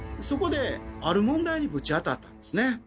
そこである問題にぶち当たったんですね。